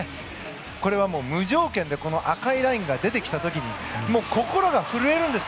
これは無条件でこの赤いラインが出てきた時に心が震えるんです。